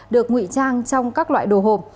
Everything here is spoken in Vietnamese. được nguy trang trong các loại đồ hộp